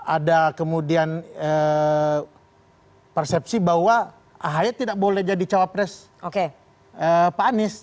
ada kemudian persepsi bahwa ahy tidak boleh jadi cawapres pak anies